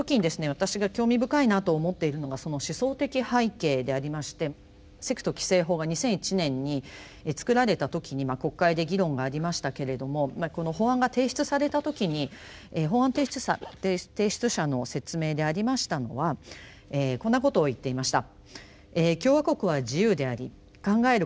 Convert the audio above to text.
私が興味深いなと思っているのがその思想的背景でありまして「セクト規制法」が２００１年に作られた時に国会で議論がありましたけれどもこの法案が提出された時に法案提出者の説明でありましたのはこんなことを言っていました。